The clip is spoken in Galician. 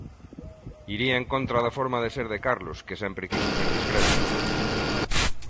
Iría en contra da forma de ser de Carlos, que sempre quixo ser discreto.